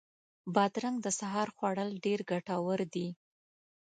بادرنګ د سهار خوړل ډېر ګټور دي.